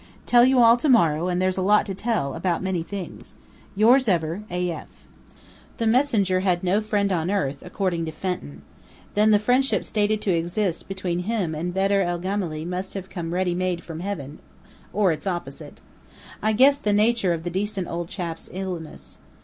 Tell you all to morrow and there's a lot to tell, about many things. Yours ever, A.F. The messenger had "no friend on earth," according to Fenton. Then the friendship stated to exist between him and Bedr el Gemály must have come readymade from heaven, or its opposite. I guessed the nature of the "decent old chap's" illness.